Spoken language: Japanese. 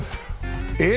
え？